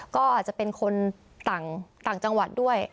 ก็อาจจะเป็นคนต่างจังหวัดด้วย